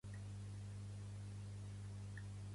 El Dash va moure a Laurel per la seva segona carrera.